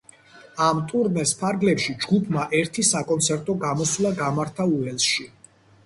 ამ ტურნეს ფარგლებში ჯგუფმა ერთი საკონცერტო გამოსვლა გამართა უელსში.